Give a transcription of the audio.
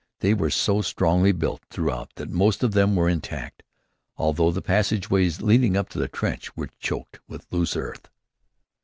They were so strongly built throughout that most of them were intact, although the passageways leading up to the trench were choked with loose earth.